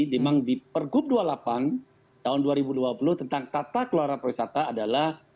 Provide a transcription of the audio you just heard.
memang di pergub dua puluh delapan tahun dua ribu dua puluh tentang tata kelola pariwisata adalah